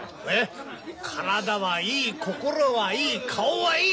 体はいい心はいい顔はいい！